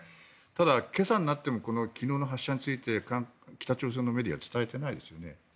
ただ、今朝になっても昨日の発射について北朝鮮のメディアは伝えていないですよね。